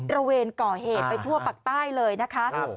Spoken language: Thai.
ระเวนก่อเหตุไปทั่วปักใต้เลยนะคะ